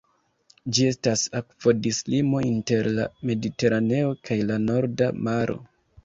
Ĝi estas akvodislimo inter la Mediteraneo kaj la Norda Maro.